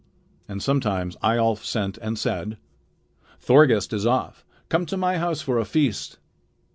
And sometimes Eyjolf sent and said: "Thorgest is off. Come to my house for a feast."